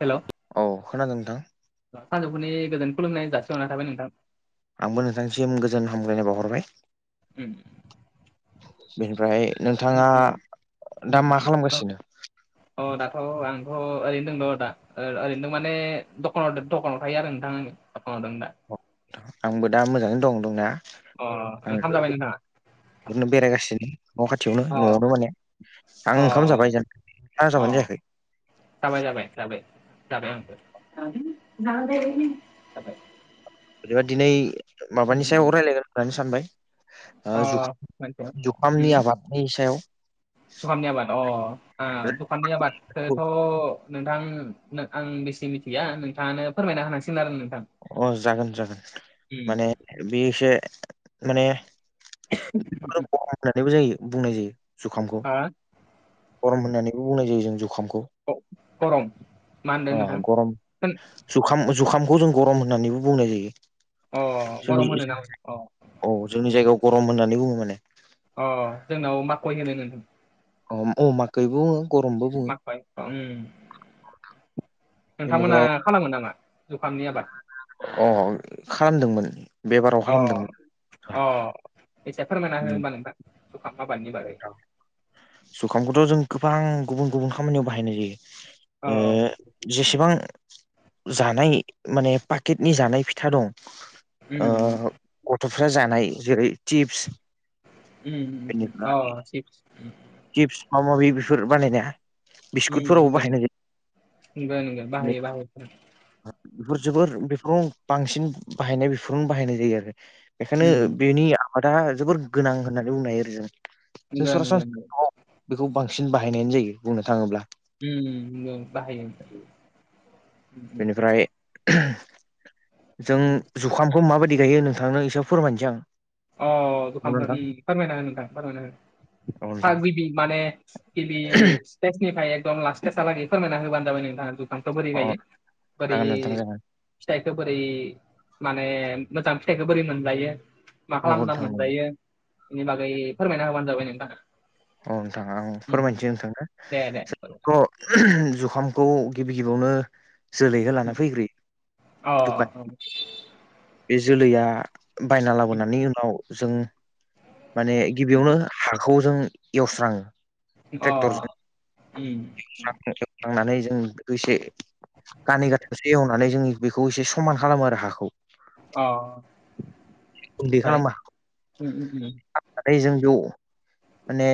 हेल' औ खोनादों नोंथां। सानजौफुनि गोजोन खुुमनाय जासिहरनाय थाबाय नोंथां। आंबो नोंथांनिसिम गोजोन हामल्लायनाय बावहरबाय। बेनिफ्राय नोंथाङा दा मा खालामगासिनो अ दाथ' आंथ' ओरैनो दों' दा ओरैनो माने दखान दखानाव थायो आरो नोंथां आंनि [unintelligible] आंबो दा मोजाङैनो दं दंनाया अ ओंखाम जाबाय नोथाङा एरैनो बेरायगासिनो न' खाथियावनो अ न'आवनो माने आं अ ओंखाम जाबायज आं अ जाबानो जायाखै जाबाय जाबाय जाबाय जाबाय आंबो [unintelligible] बिदिबा दिनै माबानि सायाव रायज्लायगोन होननानै सानबाय ओ अ जुखा मोनथिया जुखामनि आबादनि सायाव जुखाननि आबाद अ ओ दखाननि आबादखौथ' नोंथां। आं बेसे मिथिया नोंथाङानो फोरमायना होनांसिगोन आरो नोंथां। अ जागोन जागोन माने बे एसे माने गरम होननानैबो जायो बुंनाय जायो जुखामखौ हा गरम होननानैबो बुंनाय जायो जों जुखामखौ खरं मा होनदों अ नोंथां गरम जुखाम जुखामखौ जों गरम होननानैबो बुंनाय जायो अ जोंनि गरम होनो नामा अ औ जोंनि जायगायाव गरम होननानै बुङो माने अ जोंनाव माखय होनो नोंथां ओ अ अमाखै बुङो। गरमबो बुङो माखय ओम नोंथांमोना बेनिफ्राय खालामो नामा जुखामनि आबाद अ खालामदोंमोन बेबाराव अ खालामदोंमोन। अ एसे फोरमायना हो होमबा नोंथां जुखाम आबादनि बागै जुखामखौथ' जों गोबां गुबुन गुबुन खामानियाव बाहायनाय जायो अ ओ जेसेबां जानाय माने पाकेटनि जानाय फिथा दं। ओ उम गथ'फ्रा जानाय जेरै सिप्स उम ओ सिप्स सिप्स माबा माबि बेफोर बानायनाया उम नोंगौ बिस्कुटफोरावबो नोंगौ बाहायनाय नोंगोन नोंगोन जायो बाहायो बाहायो बेफोर जोबोर बेफोर बांसिन बाहायनाय बेफोरावनो बाहायनाय जायो आरो बेखायनो उम बेनि आबादा जोबोर गोनां होननानै बुंनाय आरि जायो जों नंगौ नंगौ सरासनस्रा नंगौ न'आव बेखौ बांसिन बाहायनायानो जायो बुंनो थाङोब्ला ओम नंगौ बाहायो उम, बेनिफ्राय [unintelligible] जों उम, उम। जुखामखौ माबायदि गायो नोंथांनो एसे फोरमायनोसै आं अ नंगौ जुखामखो नोंथां ओम फोरमायना हो नोंथां फोरमायना हो फाग गिबि माने गिबि फेस्टनिफ्राय एकदम लास्ट सिटेसालागै फोरमायना होबानो जाबाय नोंथाङा जु खामखौ बोरै औ गायो बारै नोंथां अ जागोन नोंथां जागोन फिथाइखौ बोरै माने मोजां फिथाइखौ बोरै मोनलायो मा नंगौ खालामना नोंथां नंगौ मोनजायो बेनि बागै फोरमायना होबानो जाबाय नोंथां औ नोंथां आं फोरमायनोसै दे दे नोंथांनो [unintelligible] [unintelligible] जुखामखौ गिबि गिबियावनो जोलैखो लाना फैग्रोयो अ दुकान बे जोलैया बायना लाबोनायनि उनाव जों माने गिबियावनो हाखौ जों एवस्राङो अ ट्रेक्टरजों ओम [unintelligible] जों बेखौ एसे गानै गाथामसो एवनानै जों बेखौ एसे समान खालामो आरो हाखौ अ [unintelligible] उम उम उम माने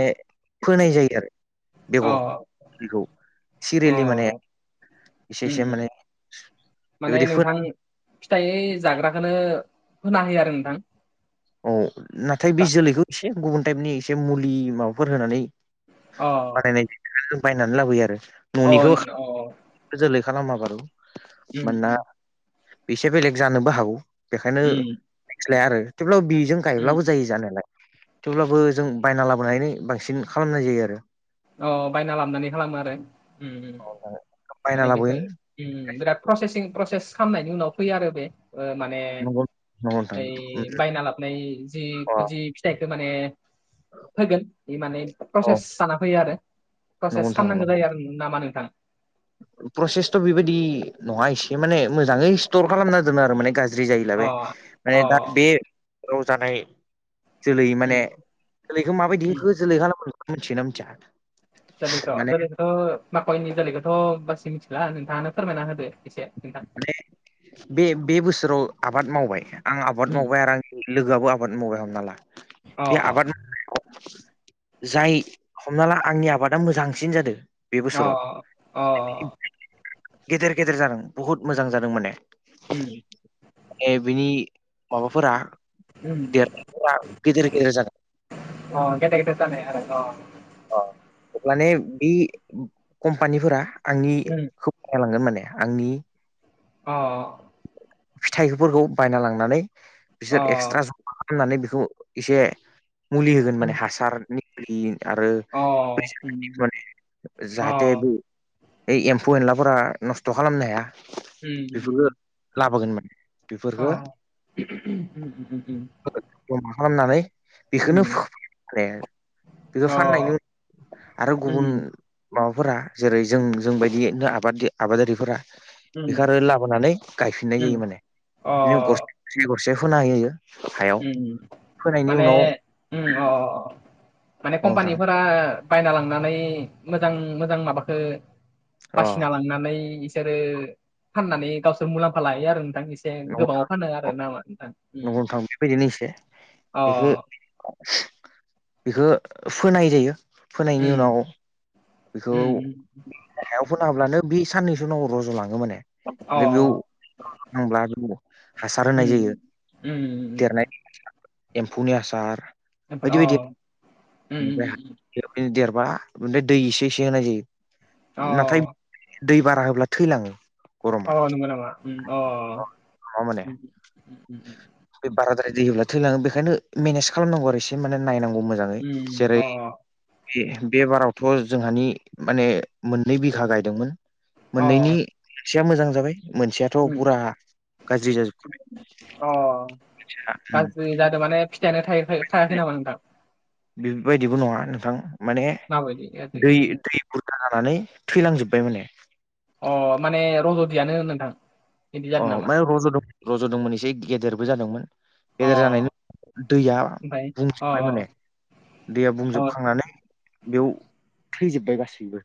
फोनाय जायो आरो। अ बेगर [unintelligible] अ सिरियालि माने एसे एसे उम उम माने माने बेबायदि फोना नोंथां फिथाइ जाग्राखौनो होना होयो आरो नोंथां औ नाथाय बे दा जोलैखौ एसे गुबुन टाइपनि एसे मुलि माबाफोर होनानै अ माने बिखौ बायनानै लाबोयो आरो अ न'निखौ जोलै खालामा बारु उम मानोना उम एसे बेलेग जानोबो हागौ बेखायनो उम रिक्स लाया आरो थेवब्लाबो बिजों गायब्लाबो उम जायो जानायालाय थेवब्लाबो जों बायना लाबोनानै बांसिन खालामनाय जायो आरो। अ बायना लाबोनानै खालामो आरो उम उम बायना माने लाबोयो बेखो ओम बिराद प्रसेसिं प्रसेस खालामनायनि उनाव फैयो आरो बे ओ माने नंगौ नंगौ नोंथां ओइ बायना लाबनाय जि अ जि फिथाइखो माने फैगोन बे माने औ प्रसेस जाना फैयो आरो नंगौ प्रसेस नोंथां खालामनांगौ नंगौ जायो आरो नामा नोंथां? प्रसेसथ' बेबायदि नङा एसे माने मोजाङै स्टर खालामना दोनो आरो माने गा ज्रि जायोब्ला अ बे माने अ दा बे औ जानाय जोलै उम माने जोलैखौ माबायदि उम इखो जोलै खालामो इखो मिथियोना मिथिया जोलैखौ माने जोलैखौ माखयनि जोलैखौथ' बासि मिथिला नोंथाङानो फोरमायना होदो एसे नोंथां माने बे बे बोसोराव आबाद मावबाय आं आबाद उम मावबाय आरो आं लोगोआबो आबाद मावबाय हमना ला अ बे अ आबाद मावनायाव जाय हमना ला आंनि आबादा मोजांसिन जादों बे अ बोसोराव अ [inaudible] गेदेर गेदेर जादों बहुद मोजां जादों माने उम ए बिनि माबाफोरा देरनायफोरा गेदेर गेदेर जादों अ गेदेर गेदेर जानाय आरो अ अ माने बे कम्पानिफोरा आंनि खोब जालांगोन माने आंनि अ फिथाइफोरखौ बायना लांनानै बिसोर एक्सट्रा ज' मा खालामनानै बेखौ एसे मुलि होगोन माने हासारनि आरो माने जाहाथे बे बे एम्फौ एनलाफोरा नस्थ' खालामनो हाया। बेफोरखौ लाबोगोन माने बेफोरखौ उम उम उम। मा खालामनानै बेखौनो माने। बेखौ फाननायनि उन आरो गुबुन माबाफोरा जेरै जों जों बायदियैनो आबाद आबादारिफोरा बेखौ आरो लाबोनानै गायफिननाय जायो माने बिदिनो गरसे ग गरसे फोना होयो। हायाव उम फोनायनि माने उनाव उम अ। माने अ नोंथां कम्पानिफोरा बायना लांनानै मोजां मोजां माबाखौ अ बासिना लांनानै बिसोरो फाननानै गावसोर मुलाम्फा लायो आरो नोंथां इसोर ए नंगौ गोबाङाव फानो आरो ना मा नोंथां फैगोन एसे अ बेखौ बेखौ फोनाय जायो उ फोनायनि उनाव बेखौ उ हायाव फोना होब्लानो बे साननैसो उनाव रज' लाङो माने ओमफ्राय बेयाव नांब्ला बेयाव हासार होनाय जायो उम उम देरनाय उम एम्फौनि आसार अ ओमफ्राय जेखुनो देरबा ओमफ्राय दै एसे एसे होनाय जायो नाथाय दै बारा होब्ला थैलाङो अ गरमा नंगौ नामा अ नङा माने बे बाराद्राय दै होयोब्ला थैलाङो बेखायनो मेनेज खालामनांगौ आरो एसे माने नायनांगौ मोजाङै जेरै बे बे बारावथ' जोंहानि माने मोननै बिघा गायदोंमोन। मोननैनि मोनसेया मोजां जाबाय मोनसेयाथ' बुरा गाज्रि जाजोब अ गाज्रि जादों माने फिथाइआनो थ थायाखै नामा नोंथां बेफोरबायदिबो नङा नोंथां माने माबायदि गाज्रि? दै उम, दै जानानै थैलांजोब्बाय माने अ माने रज'दियानो नोंथां बिदि अ जादों नामा? ओमफ्राय रज'दों रज'दोंमोन एसे गेदेरबो जादोंमोन अ गेदेर जानायनि दैया ओमफ्राय अ बुंजोबबाय माने दैया अ बुंजोबखांनानै बेयाव थैजोब्बाय गासैबो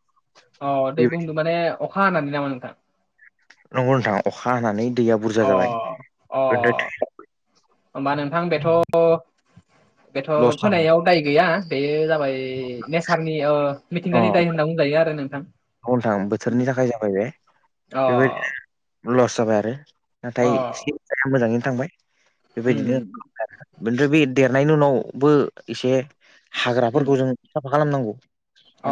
अ बे दै बुंदों माने अखा हानानै नामा नोंथां नंगौ नोंथां अखा हानानै दैया बुरजा अ जाबाय अ दा होमबा नोंथां बेथ' बेथ' लस जाबाय फोनायाव दाय गैया बे जा फाय नेसारनि मिथिंगानि दाय होनना बुंजायो आरो नोंथां औ नोंथां बोथोरनि थाखाय जाबाय बे अ बेबायदिनो लस जाबाय आरो। नाथाय सि [unintelligible] मोजाङैनो थांबाय बेबायदिनो उम बेनिफ्राय बे देरनायनि उनावबो एसे उम हाग्राफोरखौ जों साफा खालामनांगौ अ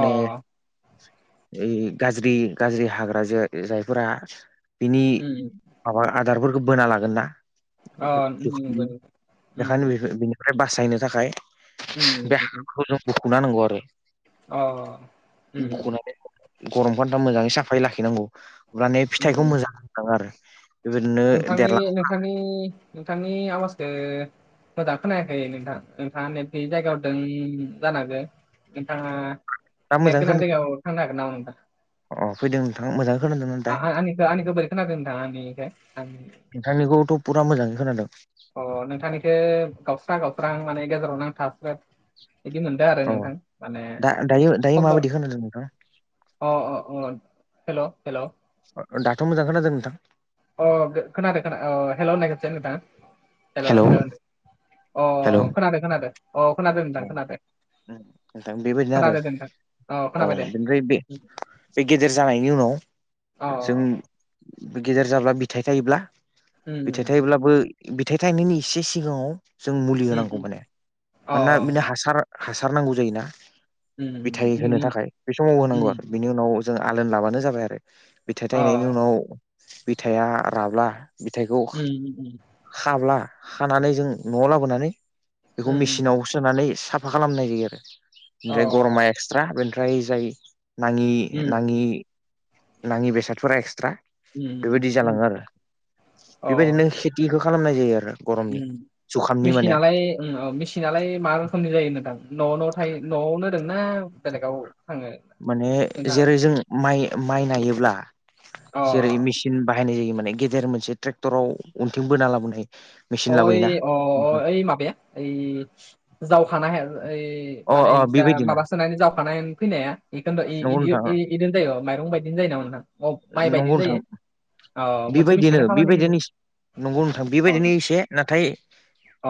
इ गाज्रि गाज्रि हाग्रा जाय जायफोरा बिनि उम माबा आदारफोरखौ बोना लागोन ना अ नंगौ उम बेखायनो ओमफ्राय बासायनो थाखाय बे उम हाग्राफोरखौ जों बुखुना होनांगौ आरो अ उम उम गरम खन्थ मोजाङै साफायै लाखिनांगौ माने उम फिथाइखौ उम मोजां होनाङो आरो बेबायदिनो नोंथांनि देरलाङो नोंथांनि नोंथांनि आवाजखौ मोजाङै खोनायाखै नोंथां नोंथाङा नेथ गैयै जायगायावदों जानांगौ नोंथाङा दा नेट मोजां गोनां खोनादों जायगायाव थांनो हागोन नामा नोंथां? अ फैदों नोंथां मोजांङै खोनादोंना दायो? दा आंनिखो बोरै खोनादों नोंथां आंनिखो आंनि नोंथांनिखौथ' पुरा मोजाङै खोनादों। अ नोंथांनिखो गावस्रा गावस्राहां माने गेजेराव नांथा [unintelligible] बिदि मोन दो आरो अ नोंथां माने दा दायो दायो खब्द' माबायदि खोनादों नोंथां अ अ अ हेलौ हेलौ दाथ' मोजां खोनादो नोंथां। अ गो-खोनादो खोना अ हेलौ होननाय खेबसे नोंथाङा। हेलौ हेलौ होन, [unintelligible] अ हेलौ खोनादो खोनादो अ खोनादो नोंथां खोनादो। उम नोंथां बेबायदिनो आरो अ औ खोनाबाय दे बेनिफ्राय बे जे गेदेर जानायनि उनाव अ जों गेदेर जाब्ला बिथाइ थायोब्ला उम बिथाइ थायोब्लाबो बिथाइ थायनायनि इसे सिगाङाव जों मुलि उम होनांगौ उम माने। अ मानोना बिनो हासार हासार नांगौ जायोना। उम बिथाइ होनो उम उम थाखाय बे समाव होनांगौ आरो। उम बिनि उनाव जों आलोन लाबानो जाबाय आरो बिथाइ अ थायनायनि उनाव बिथाइया राब्ला बिथाइखौ उम उम खाब्ला खानानै जों न'आव लाबोनानै बेखौ उम मेचिनाव सोनानै साफा खालामनाय जायो अ आरो ओमफ्राय गर [unintelligible] एक्सट्रा बेनिफ्राय जाय नाङि उम नाङि नाङि बेसादफोरा एक्सट्रा उम बेबायदि जालाङो आरो उम अ बेबायदिनो खेथिखौ खालामनाय जायो आरो। गरमनि उम जुखामनि माने मेचिनालाय उम औ मेचिन नालाय मा रोखोमनि जायो नोंथां न' न थायो न'आवनो दोंना बेलेगाव थाङो माने नोंथाङा जेरै जों माइ माइ नायोब्ला अ जेरै मेसि न बाहायनाय जायो माने गेदेर मोनसे ट्रेक्टराव अनथिं बोना लाबोनाय मेचिन अ ओइ लाबोयोना अ नोंथां अ ओइ माबाया ओइ जावखानाय हाया ओइ अ माने अ जा बेबायदिनो माबासोनानै जावखानाय फैनाया? बेखौ होन्द' नंगौ इ-इदि नोंथां इ-इदिनो जाय' माइरं बायदिनो जायो नामा नोंथां अ माइ नंगौ बायदिनो नोंथां जायो? अ मोनसे बेबायदिनो मेसिनानो खामानि बेबायदिनो नंगौ नोंथां बेबायदिनो होयो एसे नाथाय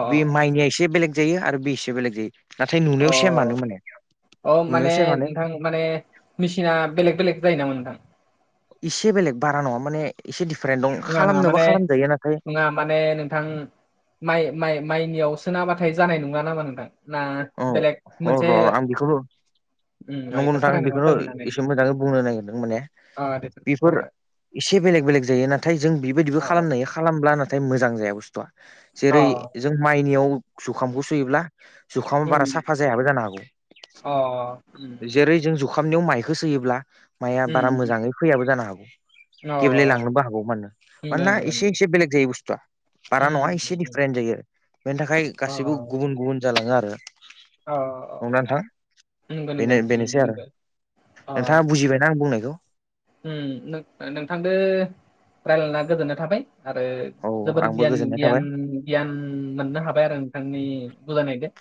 अ बे माइनिया एसे बेलेग जायो आरो बे एसे बेलेग जायो। नाथाय नुनायाव सेमानो माने अ माने नुनायाव सेमानो। नोंथां माने मेसिना बेलेग बेलेग जायो नामा नोंथां? इसे बेलेग बारा नङा माने इसे दिडिफारेन्ट दं खालामनोबा खालामजायो नाथाय नोङा माने नोंथां माइ माइ माइनियाव सोना होबाथाय जानाय नङा नामा नोंथां? ना औ बेलेग औ र मोनसे र आं बिखौनो नंगौ बेखौ नोंथां फरायनो मा बेखौनो फोरमायनो हानाय एसे मोजाङै बुंनो नागिरदों माने अ दे सार बेफोर फोरमायना एसे बेलेग बेलेग जायो नाथाय जों बेबायदिबो अ खालामनो हायो खालामब्ला नाथाय मोजां जाया बुस्थुआ। जेरै अ जों माइनियाव जुखामखौ सोयोब्ला जुखामा उम बारा साफा जायाबो जानो हागौ। अ उम जेरै जों जुखामनियाव माइखौ सोयोब्ला माइआ बारा उम मोजाङै फैयाबो जानो हागौ। उम अ गेब्लेलांनोबो हागौ माने नंगौ मानोना नंगौ एसे नंगौ एसे बेलेग जायो बुस्थुआ। बारा नङा उम एसे उम उम डिफारेन्ट जायो बेनि थाखाय अ गासैबो गुबुन गुबुन जालाङो आरो। अ [unintelligible] नोंथां नंगौ नंगौ बेनो बेनोसै आरो। नंगौ अ नोंथाङा बुजिबायना आं बुंनायखौ? उम नों-नोंथांदो रायलायना गोजोननाय थाबाय आरो औ जोबोत आंबो गियानि गोजोननाय गियान थाबाय गियान मोननो हाबाय आरो नोंथांनि बुजायनायदो।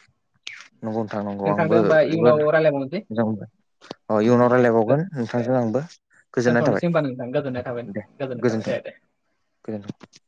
नंगौ नोथां नंगौ नोंथांदो आंबो होमबा जोबोद इयुनाव रायलायबावनोसै मोजां मोनबाय अ उम इयुनाव दे रायलायबावगोन दे नोंथांजों आंबो। गोजोननाय थाबाय दोनथ'नोसै ओमबा नोंथां गोजोननाय थाबाय नोंथां गोजोननाय थाबाय दे दे। गो [unintelligible]